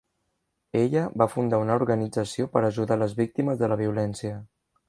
Ella va fundar una organització per ajudar les víctimes de la violència.